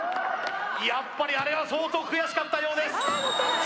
やっぱりあれは相当悔しかったようです